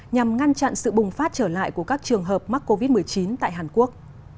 nhằm ngăn chặn sự bùng phát trở lại của các trường hợp mắc covid một mươi chín tại hàn quốc